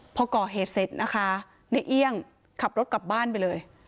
พอก่อเหตุเสร็จนะคะในเอี่ยงขับรถกลับบ้านไปเลย